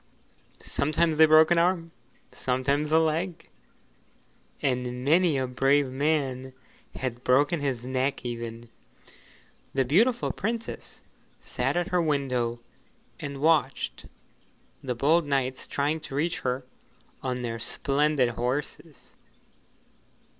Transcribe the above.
Sometimes they broke an arm, sometimes a leg, and many a brave man had broken his neck even. The beautiful Princess sat at her window and watched the bold knights trying to reach her on their splendid horses.